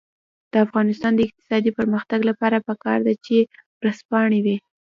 د افغانستان د اقتصادي پرمختګ لپاره پکار ده چې ورځپاڼې وي.